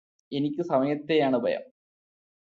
എനിക്ക് സമയത്തെയാണ് ഭയം